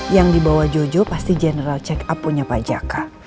yang dibawa jojo pasti general check up punya pak jaka